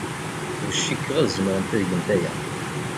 Ur cikkeɣ ad zemrent ad gent aya.